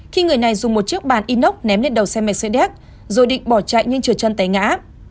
khi người này dùng một chiếc bàn inox ném lên đầu xe mercedes rồi định bỏ chạy nhưng trượt chân tay ngã